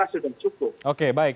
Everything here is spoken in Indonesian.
sudah cukup oke baik